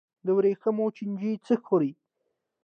د ورېښمو چینجی څه خوري؟